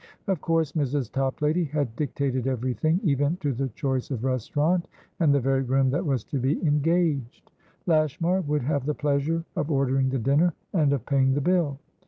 Of course Mrs. Toplady had dictated everything, even to the choice of restaurant and the very room that was to be engaged; Lashmar would have the pleasure of ordering the dinner, and of paying the bill.